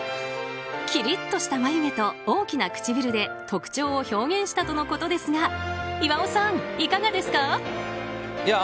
きりっとした眉毛と大きな唇で特徴を表現したとのことですが岩尾さん、いかがですか？